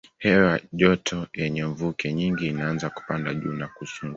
Hewa joto yenye mvuke nyingi inaanza kupanda juu na kuzunguka.